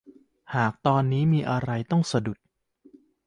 หากตอนนี้มีอะไรต้องสะดุด